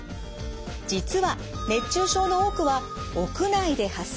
実は熱中症の多くは屋内で発生。